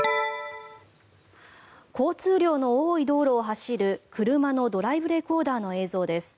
交通量の多い道路を走る車のドライブレコーダーの映像です。